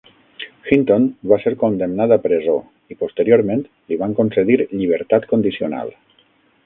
Hinton va ser condemnat a presó i posteriorment, li van concedir llibertat condicional.